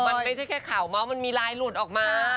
มันไม่ใช่แค่ข่าวเมาส์มันมีลายหลุดออกมา